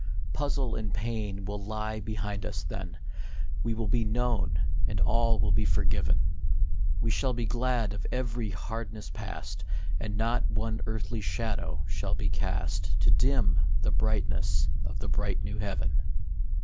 Puzzle and pain will lie behind us then ; All will be known and all will be forgiven. We shall be glad of every hardness past, And not one earthly shadow shall be cast To dim the brightness of the bright new heaven.